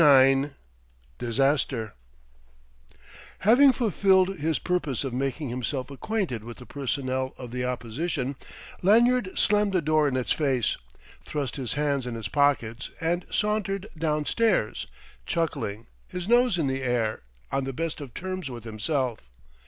IX DISASTER Having fulfilled his purpose of making himself acquainted with the personnel of the opposition, Lanyard slammed the door in its face, thrust his hands in his pockets, and sauntered down stairs, chuckling, his nose in the air, on the best of terms with himself.